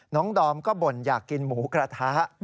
ดอมก็บ่นอยากกินหมูกระทะ